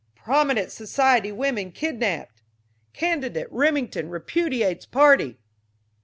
PROMINENT SOCIETY WOMEN KIDNAPPED CANDIDATE REMINGTON REPUDIATES PARTY!